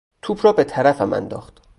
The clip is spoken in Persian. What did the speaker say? توپ را به طرفم انداخت.